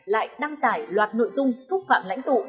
lại đăng tải loạt nội dung xúc phạm lãnh tụ